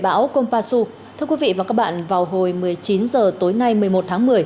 bão kompasu thưa quý vị và các bạn vào hồi một mươi chín h tối nay một mươi một tháng một mươi